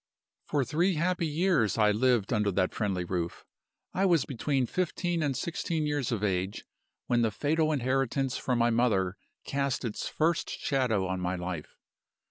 "For three happy years I lived under that friendly roof. I was between fifteen and sixteen years of age, when the fatal inheritance from my mother cast its first shadow on my life.